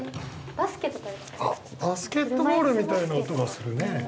バスケットボールみたいな音がするね。